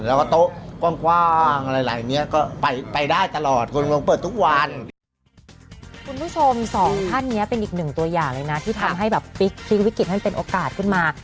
ที่ทำให้พลิกวิกฤตให้เป็นโอกาสขึ้นมา